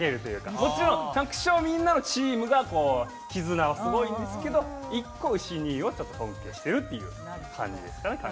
もちろん百姓みんなチームは絆はすごいんですけど１個、ウシ兄を尊敬しているという感じですかね。